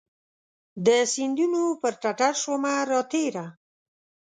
د سیندونو پر ټټرشومه راتیره